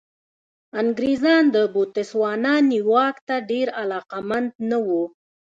انګرېزان د بوتسوانا نیواک ته ډېر علاقمند نه وو.